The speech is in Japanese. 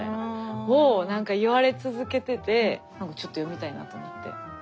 もう言われ続けててちょっと読みたいなと思って。